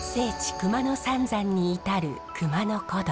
熊野三山に至る熊野古道。